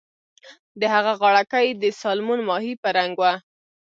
د هغه غاړه کۍ د سالمون ماهي په رنګ وه